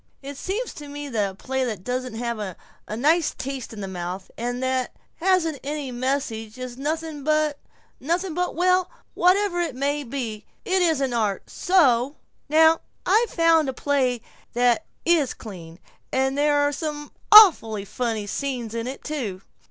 It seems to me that a play that doesn't leave a nice taste in the mouth and that hasn't any message is nothing but nothing but Well, whatever it may be, it isn't art. So Now I've found a play that is clean, and there's some awfully funny scenes in it, too.